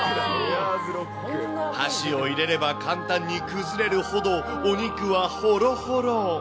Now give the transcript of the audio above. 箸を入れれば簡単に崩れるほど、お肉はほろほろ。